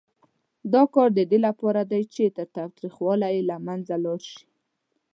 دا کار د دې لپاره دی چې تریخوالی یې له منځه لاړ شي.